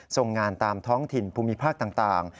ส่งงานตามท้องถิ่นภูมิภาคต่าง